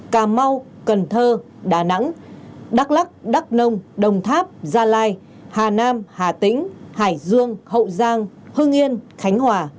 cà mau cần thơ đà nẵng đắk lắc đắk nông đồng tháp gia lai hà nam hà tĩnh hải dương hậu giang hưng yên khánh hòa